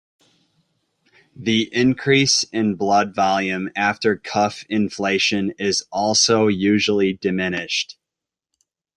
The increase in blood volume after cuff inflation is also usually diminished.